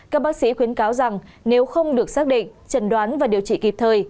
các bác sĩ khuyến cáo rằng nếu không được xác định trần đoán và điều trị kịp thời